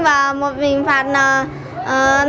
và một hình phạt nong